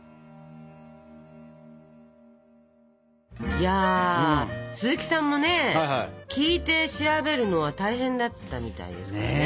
いや鈴木さんもね聞いて調べるのは大変だったみたいですからね。